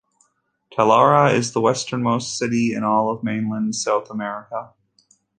Talara is the westernmost city in all of mainland South America.